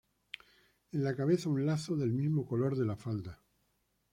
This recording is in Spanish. En la cabeza un lazo del mismo color de la falda.